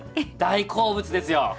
大好物ですよ。